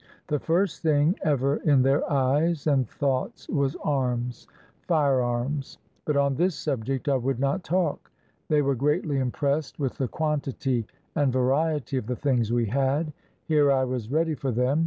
The first thing ever in their eyes and thoughts was arms, — firearms, — but on this subject I would not talk. They were greatly impressed with the quantity and variety of the things we had. Here I was ready for them.